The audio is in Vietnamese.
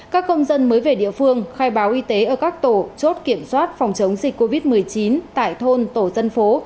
các công dân mới về địa phương khai báo y tế ở các tổ chốt kiểm soát phòng chống dịch covid một mươi chín tại thôn tổ dân phố